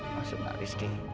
maksud dari siapa